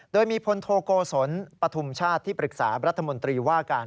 โดยมีพลโทโกศลปฐุมชาติที่ปรึกษารัฐมนตรีว่าการ